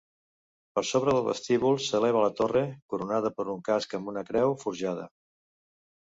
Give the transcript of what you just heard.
Per sobre del vestíbul s'eleva la torre, coronada per un casc amb una creu forjada.